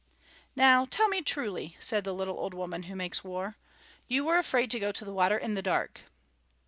"Now tell me truly," said the Little Old Woman Who Makes War, "you were afraid to go to the water in the dark."